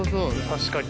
確かに。